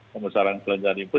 pembesaran kelenjaran imput